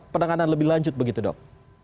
penanganan lebih lanjut begitu dok